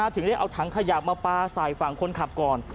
ถึงได้เอาถังขยะมาปลาใส่ฝั่งคนขับก่อน